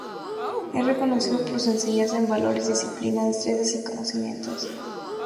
Es reconocida por su enseñanza en valores, disciplina, destrezas y conocimientos.